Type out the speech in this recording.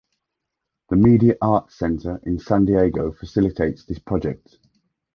The Media Arts Center in San Diego facilitates this project.